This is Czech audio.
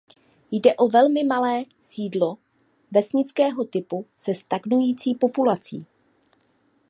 Jde o velmi malé sídlo vesnického typu se stagnující populací.